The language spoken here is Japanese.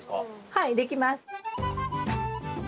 はいできます。